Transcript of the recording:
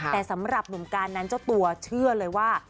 แต่สำหรับหนุ่มการนั้นเจ้าตัวเชื่อเลยว่า